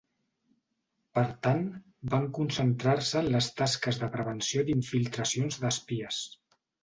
Per tant, van concentrar-se en les tasques de prevenció d'infiltracions d'espies.